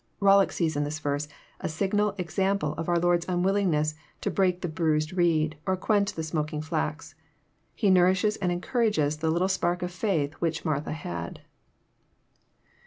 Bollock sees in this verse a signal example of our Lord's unwillingness to " break the bruised reed, or quench the smoking flax." He nourishes and encourages the little spark of faith which Martha had.